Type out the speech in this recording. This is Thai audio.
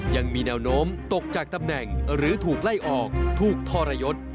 ยังมีแนวโน้มตกจากตำแหน่งหรือถูกไล่ออกถูกทรยศ